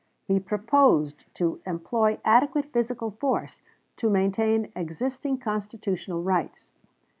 He proposed to employ adequate physical force to maintain existing constitutional rights.